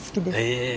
へえ。